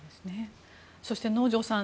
そして能條さん